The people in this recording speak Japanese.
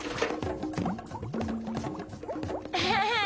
ウフフ。